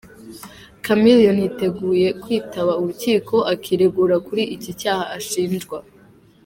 Chameleone yiteguye kwitaba urukiko akiregura kuri iki cyaha ashinjwa.